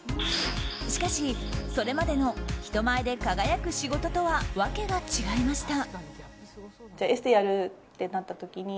しかしそれまでの人前で輝く仕事とは訳が違いました。